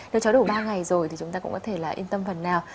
nếu cháu đủ ba ngày rồi thì chúng ta cũng có thể là yên tâm phần nào